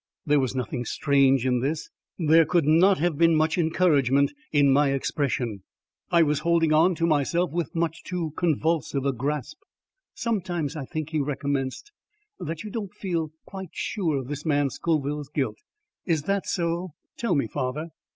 There was nothing strange in this. There could not have been much encouragement in my expression. I was holding on to myself with much too convulsive a grasp. "Sometimes I think," he recommenced, "that you don't feel quite sure of this man Scoville's guilt. Is that so? Tell me, father."